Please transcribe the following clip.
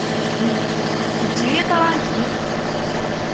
Eǧǧ-iyi ṭranklil!